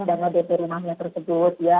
dana bp rumahnya tersebut